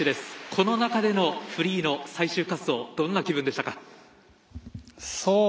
この中でのフリーの最終滑走どんな気分でしたか？